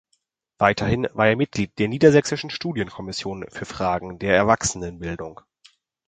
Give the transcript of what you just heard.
Weiterhin war er Mitglied der Niedersächsischen Studienkommission für Fragen der Erwachsenenbildung.